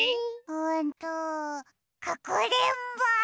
うんとかくれんぼ！